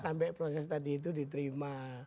sampai proses tadi itu diterima